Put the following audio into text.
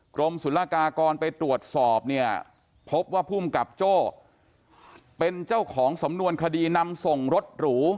กรมศุลกากรไปตรวจสอบเนี่ยพบว่าภูมิกับโจ้เป็นเจ้าของสำนวนคดีนำส่งรถหรู